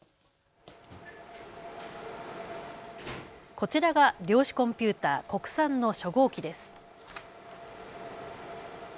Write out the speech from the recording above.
こちらが量子コンピューター、国産の初号機です。